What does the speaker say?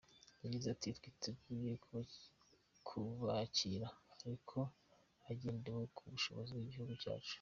Yagize ati “Twiteguye kubakira ariko hagendewe ku bushobozi bw’igihugu cyacu.